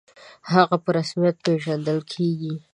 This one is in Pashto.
«هغه» په رسمیت پېژندل کېږي.